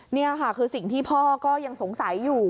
นี่ค่ะคือสิ่งที่พ่อก็ยังสงสัยอยู่